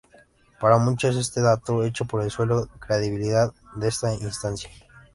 Para muchos, este dato echó por el suelo la credibilidad de esta instancia.